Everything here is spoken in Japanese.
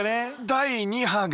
第２波が。